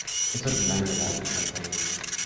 Es originario de las Mascareñas.